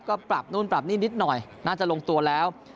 ก็ปรับนู่นปรับนี่นิดหน่อยน่าจะลงตัวแล้ว